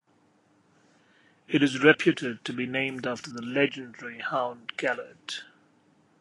It is reputed to be named after the legendary hound Gelert.